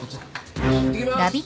いってきます。